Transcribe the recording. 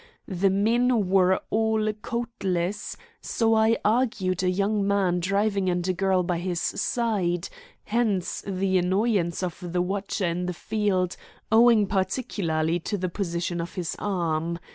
The men were all coatless, so I argued a young man driving and a girl by his side, hence the annoyance of the watcher in the field, owing particularly to the position of his arm.